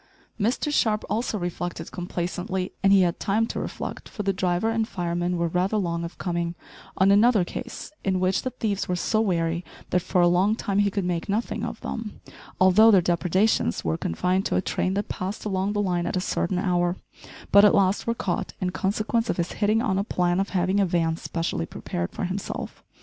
Mr Sharp also reflected complacently and he had time to reflect, for the driver and fireman were rather long of coming on another case in which the thieves were so wary that for a long time he could make nothing of them, although their depredations were confined to a train that passed along the line at a certain hour, but at last were caught in consequence of his hitting on a plan of having a van specially prepared for himself.